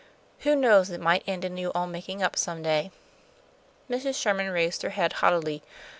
Who knows, it might end in you all making up some day." Mrs. Sherman raised her head haughtily.